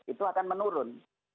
itu akan menurun